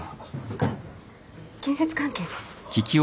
あっ建設関係です。